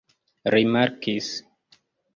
rimarkis